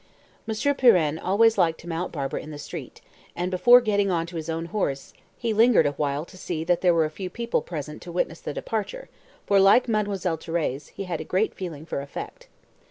Monsieur Pirenne always liked to mount Barbara in the street, and, before getting on to his own horse, he lingered a while to see that there were a few people present to witness the departure, for, like Mademoiselle Thérèse, he had a great feeling for effect.